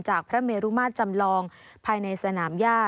พระเมรุมาตรจำลองภายในสนามย่า